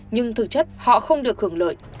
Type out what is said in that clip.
nhưng thực chất họ không được hưởng lợi